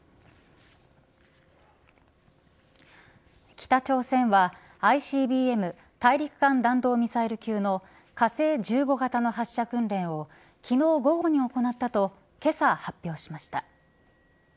北朝鮮はＩＣＢＭ大陸間弾道ミサイル級の火星１５型の発射訓練を昨日午後に行ったとけさ、発表しました。